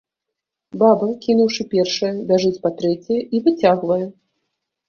Баба, кінуўшы першае, бяжыць па трэцяе і выцягвае.